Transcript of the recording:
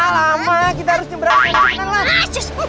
lama kita harus nyembrang sana cepetan lah